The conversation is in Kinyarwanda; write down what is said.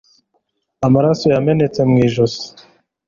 Amaraso yamenetse mu ijosi